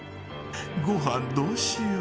ごはんどうしよう。